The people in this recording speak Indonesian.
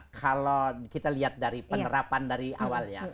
kalau kita lihat dari penerapan dari awalnya